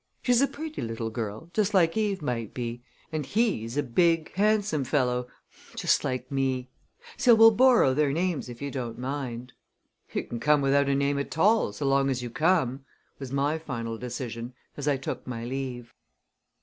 She's a pretty little girl just like Eve might be; and he's a big, handsome fellow just like me. So we'll borrow their names if you don't mind." "You can come without a name at all, so long as you come," was my final decision as I took my leave.